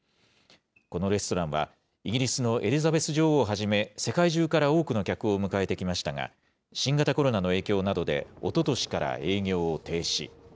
このレストランは、イギリスのエリザベス女王をはじめ、世界中から多くの客を迎えてきましたが、新型コロナの影響などでおととしから営業を停止。